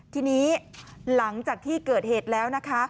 ทีนี้หลังจากที่เกิดเหตุแล้วนะคะ